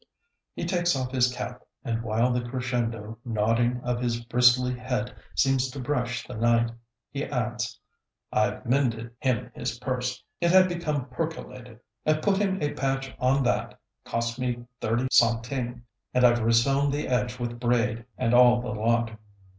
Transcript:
He takes off his cap, and while the crescendo nodding of his bristly head seems to brush the night, he adds: "I've mended him his purse. It had become percolated. I've put him a patch on that cost me thirty centimes, and I've resewn the edge with braid, and all the lot.